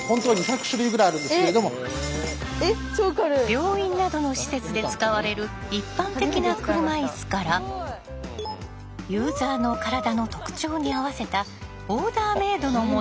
病院などの施設で使われる一般的な車いすからユーザーの体の特徴に合わせたオーダーメードのものまで。